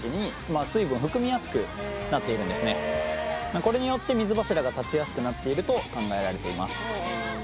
これによって水柱が立ちやすくなっていると考えられています。